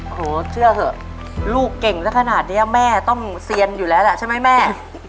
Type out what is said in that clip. โหเชื่อเถอะลูกเก่งสักขนาดนี้แม่ต้องเซียนอยู่แล้วแหละใช่ไหมแม่